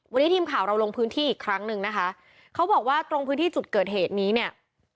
วันนี้ทีมข่าวเราลงพื้นที่อีกครั้งหนึ่งนะคะเขาบอกว่าตรงพื้นที่จุดเกิดเหตุนี้เนี่ย